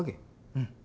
うん。